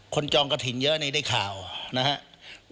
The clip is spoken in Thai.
จองกระถิ่นเยอะนี่ได้ข่าวนะครับ